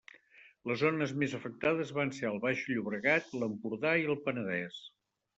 Les zones més afectades van ser el Baix Llobregat, l’Empordà i el Penedès.